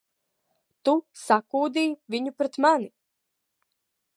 Tu sakūdīji viņu pret mani!